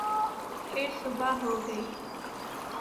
پھر صبح ہوگئی